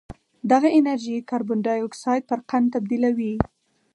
دغه انرژي کاربن ډای اکسایډ پر قند تبدیلوي